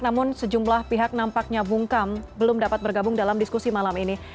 namun sejumlah pihak nampaknya bungkam belum dapat bergabung dalam diskusi malam ini